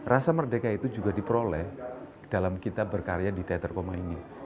rasa merdeka itu juga diperoleh dalam kita berkarya di teater koma ini